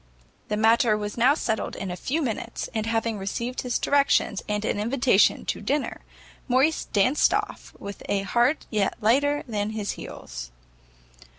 The matter was now settled in a few minutes, and having received his directions, and an invitation to dinner, Morrice danced off, with a heart yet lighter than his heels.